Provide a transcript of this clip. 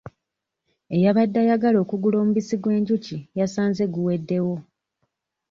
Eyabadde ayagala okugula omubisi gw'enjuki yasanze guweddeyo.